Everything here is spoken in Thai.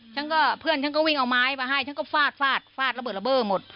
ฉันก็เพื่อนฉันก็วิ่งเอาไม้มาให้ฉันก็ฟาดฟาดฟาดระเบิระเบิดระเบิ้หมด